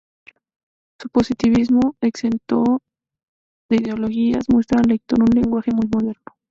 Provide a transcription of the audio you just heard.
Su positivismo, exento de ideologías, muestra al lector un lenguaje muy moderno.